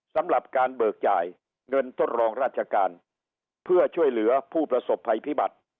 สำหรับการเบิกจ่ายเงินทดลองราชการเพื่อช่วยเหลือผู้ประสบภัยพิบัติ